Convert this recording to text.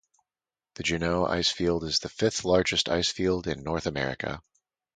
The Juneau Icefield is the fifth largest icefield in North America.